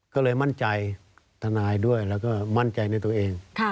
ก็เลยมั่นใจทนายด้วยแล้วก็มั่นใจในตัวเอง